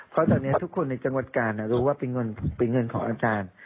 เพราะตอนนี้ทุกคนในจังหวัดกาลรู้ว่าเป็นเงินของอาจารย์